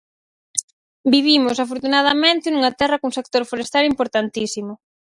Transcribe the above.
Vivimos, afortunadamente, nunha terra cun sector forestal importantísimo.